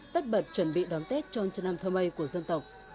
tất bật chuẩn bị đón tết trôn trần năm thơ mây của dân tộc